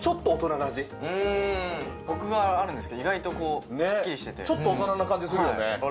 コクがあるんですけど意外とスッキリしててちょっと大人な感じするよね